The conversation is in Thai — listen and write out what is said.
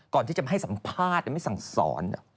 ก่อนที่จะไม่ให้สัมภาษณ์หรือไม่สั่งสอน